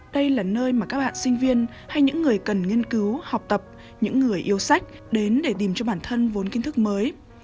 đây là nơi mà các bạn sinh viên hay những người cần nghiên cứu học tập những người yêu sách đến để tìm cho bản thân vốn kiến thức mới